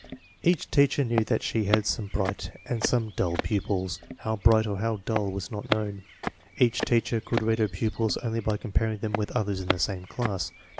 Each teacher knew that DIFFERENCES IN FIFTH GRADE CHILDREN 71 she had some bright and some dull pupils. How bright or how dull was not known. Each teacher could rate her pupils only by comparing them with others in the same class.